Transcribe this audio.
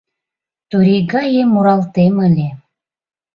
Турий гае муралтем ыле.